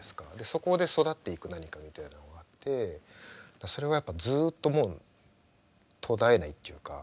そこで育っていく「何か」みたいなのがあってそれはやっぱずっともう途絶えないというか。